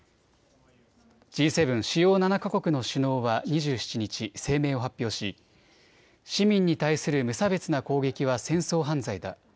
Ｇ７・主要７か国の首脳は２７日、声明を発表し市民に対する無差別な攻撃は戦争犯罪だ。